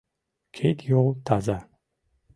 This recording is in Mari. Кид-йол таза